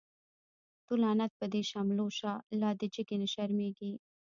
تو لعنت په دی شملو شه، لا دی جګی نه شرميږی